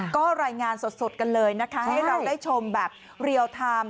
ก็รายงานสดกันเลยนะคะให้เราได้ชมแบบเรียลไทม์